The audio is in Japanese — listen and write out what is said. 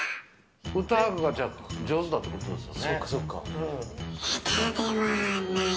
歌が上手だってことですよね。